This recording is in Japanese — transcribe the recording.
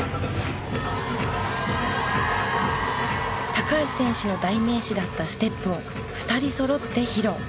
高橋選手の代名詞だったステップを２人そろって披露。